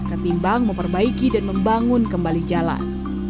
ketimbang memperbaiki dan membangun kembali jalan